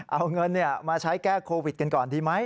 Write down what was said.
เอาเงินมาใช้แก้โควิดกันก่อนดีไหม